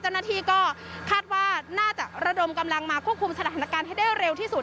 เจ้าหน้าที่ก็คาดว่าน่าจะระดมกำลังมาควบคุมสถานการณ์ให้ได้เร็วที่สุด